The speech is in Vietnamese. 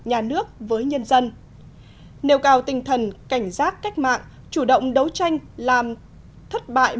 cảm ơn các đảng nhà nước với nhân dân nêu cao tinh thần cảnh giác cách mạng chủ động đấu tranh làm thất bại